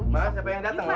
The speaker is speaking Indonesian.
mak siapa yang datang mak